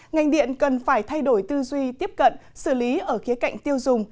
ngành điện cần phải thay đổi tư duy tiếp cận xử lý ở khía cạnh tiêu dùng